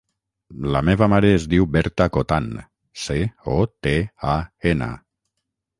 La meva mare es diu Berta Cotan: ce, o, te, a, ena.